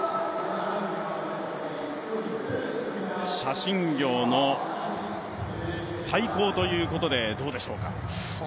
謝震業の対抗ということで、どうでしょうか。